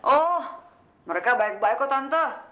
oh mereka baik baik kok tante